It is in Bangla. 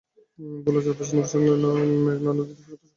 ভোলার চরফ্যাশন উপজেলাসংলগ্ন মেঘনা নদীতে গত শুক্রবার রাতে মাছটি ধরা পড়ে।